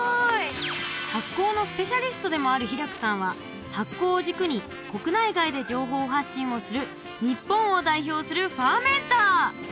発酵のスペシャリストでもあるヒラクさんは発酵を軸に国内外で情報発信をする日本を代表するファーメンター！